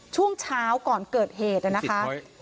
ช่วงเช้าก่อนเกิดเหตุนะคะ